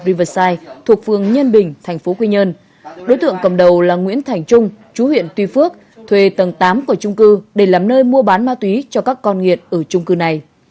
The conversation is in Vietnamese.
riverside thuộc phường nhân bình tp quy nhơn đối tượng cầm đầu là nguyễn thành trung chú huyện tuy phước thuê tầng tám của trung cư để làm nơi mua bán ma túy cho các con nghiện ở trung cư này